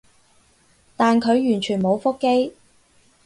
但佢完全冇覆機